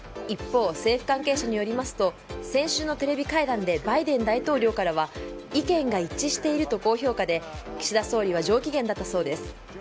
一方、政府関係者によると先週のテレビ会談でバイデン大統領からは意見が一致していると高評価で岸田総理は上機嫌だったそうです。